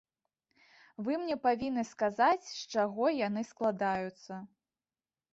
Вы мне павінны сказаць, з чаго яны складаюцца.